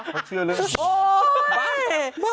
เขาเชื่อเรื่องโอ้ย